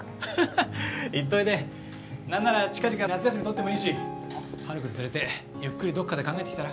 ハハッ行っといでなんなら近々夏休みとってもいいし陽君連れてゆっくりどっかで考えてきたら？